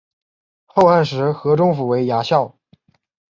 后汉时河中府为牙校。